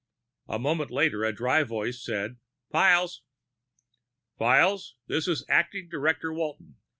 A moment later a dry voice said, "Files." "Files, this is Acting Director Walton.